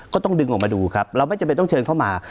ก็ต้องดึงออกมาดูครับเราไม่จำเป็นต้องเชิญเข้ามา